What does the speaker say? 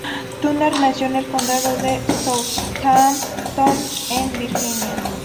Turner nació en el condado de Southampton, en Virginia.